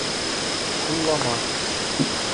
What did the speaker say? Ҡуллама